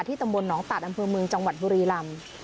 ที่ตำบลหนองตาดอำเภอเมืองจังหวัดบุรีรัมพ์